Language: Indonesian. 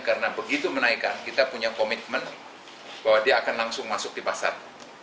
karena begitu menaikkan kita punya komitmen bahwa dia akan langsung masuk di pasar